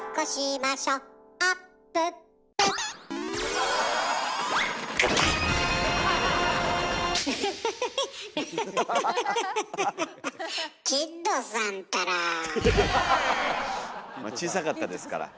まあ小さかったですから。